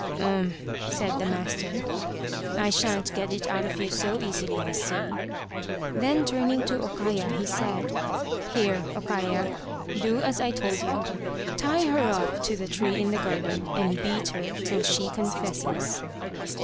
" Um," said the master, " I shan't get it out of you so easily I see," then turning to O Kaya, he said, " Here, O Kaya, do as I told you tie her up to the tree in the garden and beat her till she confesses."